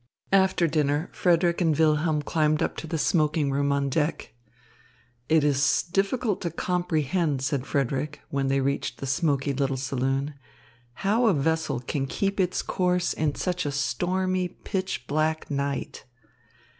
After dinner, Frederick and Wilhelm climbed up to the smoking room on deck. "It is difficult to comprehend," said Frederick, when they reached the smoky little saloon, "how a vessel can keep its course in such a stormy, pitch black night."